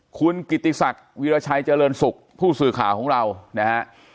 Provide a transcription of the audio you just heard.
คุณกิติศักดิ์วิราชัยเจริญสุขผู้สื่อข่าวของเรานะฮะ